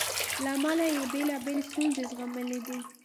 له امله یې بېلابېلې ستونزې زغملې دي.